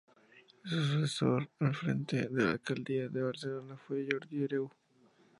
Su sucesor al frente de la alcaldía de Barcelona fue Jordi Hereu.